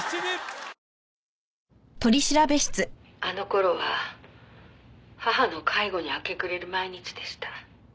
「あの頃は義母の介護に明け暮れる毎日でした」